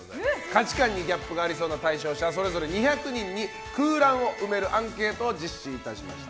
価値観にギャップがありそうな対象者それぞれ２００人に空欄を埋めるアンケートを実施いたしました。